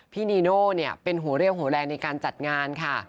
นีโน่เป็นหัวเรี่ยวหัวแรงในการจัดงานค่ะ